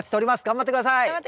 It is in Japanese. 頑張って下さい！